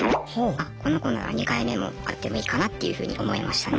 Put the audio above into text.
あこの子なら２回目も会ってもいいかなっていうふうに思いましたね。